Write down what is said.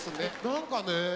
何かね